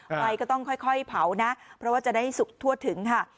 ไฟก็ต้องค่อยเผานะเพราะว่าจะได้สุกทั่วถึงค่ะ